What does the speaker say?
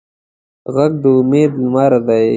غږ د امید لمر دی